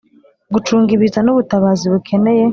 Gucunga ibiza n ubutabazi bukeneye